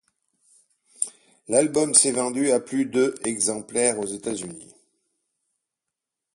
L'album s'est vendu à plus de exemplaires aux États-Unis.